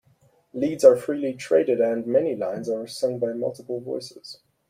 Leads are freely traded, and many lines are sung by multiple voices.